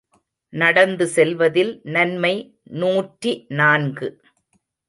நடந்து செல்வதில் நன்மை நூற்றி நான்கு.